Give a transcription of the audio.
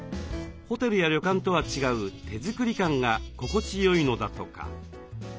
ホテルや旅館とは違う手作り感が心地よいのだとか。